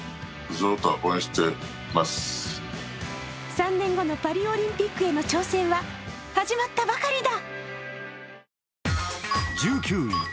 ３年後のパリオリンピックへの挑戦は始まったばかりだ。